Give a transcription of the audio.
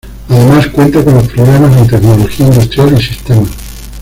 Además cuenta con los programas en tecnología industrial y sistemas.